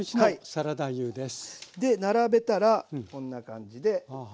で並べたらこんな感じで。